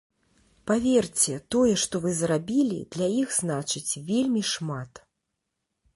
Паверце, тое, што вы зрабілі, для іх значыць вельмі шмат.